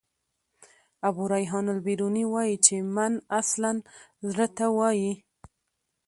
ابو ریحان البروني وايي چي: "من" اصلاً زړه ته وايي.